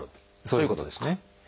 そういうことですね。